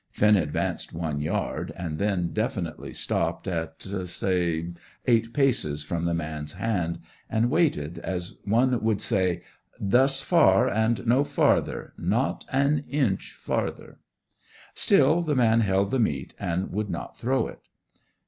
Finn advanced one yard, and then definitely stopped, at, say, eight paces from the man's hand, and waited, as one who would say: "Thus far, and no farther; not an inch farther!" Still the man held the meat, and would not throw it.